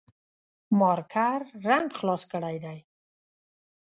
مارکر رنګ خلاص کړي دي